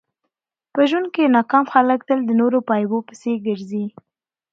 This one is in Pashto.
په ژوند کښي ناکام خلک تل د نور په عیبو پيسي ګرځي.